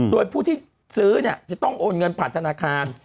โดยผู้ที่ซื้อจะต้องโอนเงินผ่านธนาคาร